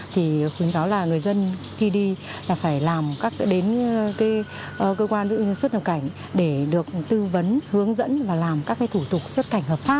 thì khuyến kháo là người dân khi đi là phải đến cơ quan đưa xuất cảnh để được tư vấn hướng dẫn và làm các thủ tục